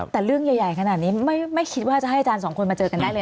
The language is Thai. แต่เรื่องใหญ่ขนาดนี้ไม่คิดว่าจะให้อาจารย์สองคนมาเจอกันได้เลย